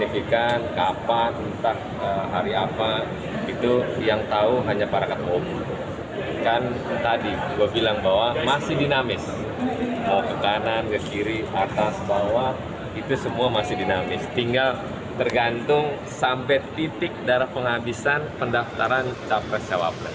tinggal tergantung sampai titik darah penghabisan pendaftaran cawa pres cawa pres